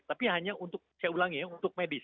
tapi hanya untuk saya ulangi ya untuk medis